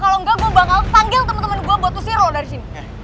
kalau enggak gue bakal panggil temen temen gue buat usir lu dari sini